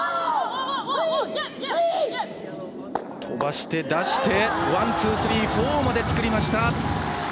飛ばして、出して、ワン、ツー、スリー、フォーまで作りました。